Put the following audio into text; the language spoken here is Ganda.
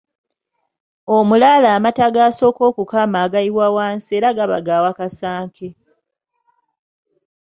Omulaalo amata g’asooka okukama agayiwa wansi era gaba ga Wakasanke.